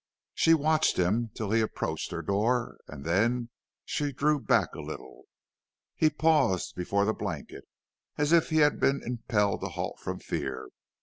She watched him till he approached her door and then she drew back a little. He paused before the blanket as if he had been impelled to halt from fear.